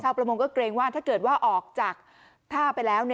ประมงก็เกรงว่าถ้าเกิดว่าออกจากท่าไปแล้ว